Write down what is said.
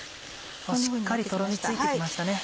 しっかりとろみついて来ましたね。